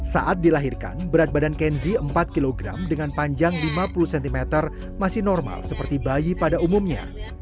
saat dilahirkan berat badan kenzi empat kg dengan panjang lima puluh cm masih normal seperti bayi pada umumnya